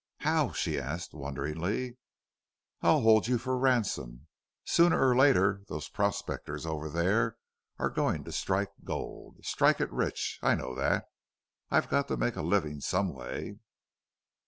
"How?" she asked, wonderingly. "I'll hold you for ransom. Sooner or later those prospectors over there are going to strike gold. Strike it rich! I know that. I've got to make a living some way."